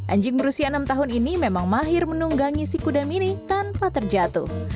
anjing berusia enam tahun ini memang mahir menunggangi si kuda mini tanpa terjatuh